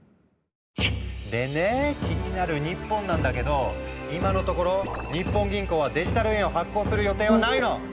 でね気になる日本なんだけど今のところ日本銀行はデジタル円を発行する予定はないの。